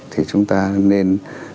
thì chúng ta nên